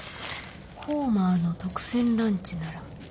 ホーマーの特選ランチなら。